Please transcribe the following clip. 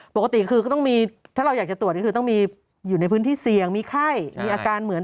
ปกติคือก็ต้องมีถ้าเราอยากจะตรวจก็คือต้องมีอยู่ในพื้นที่เสี่ยงมีไข้มีอาการเหมือน